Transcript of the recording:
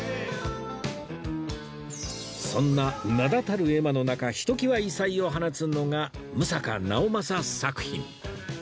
そんな名だたる絵馬の中ひときわ異彩を放つのが六平直政作品